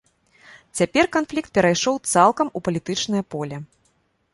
Цяпер канфлікт перайшоў цалкам у палітычнае поле.